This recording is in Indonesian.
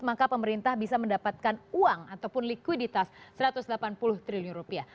maka pemerintah bisa mendapatkan uang ataupun likuiditas satu ratus delapan puluh triliun rupiah